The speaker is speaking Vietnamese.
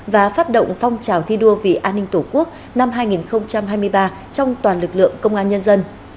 và phát động phong trào thi đua vì an ninh tổ quốc năm hai nghìn hai mươi ba trong toàn lực lượng công an nhân dân